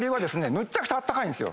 むっちゃくちゃ暖かいんですよ。